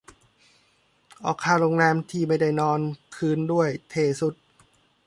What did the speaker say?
ออกค่าโรงแรมที่ไม่ได้นอนคืนด้วย เท่สุด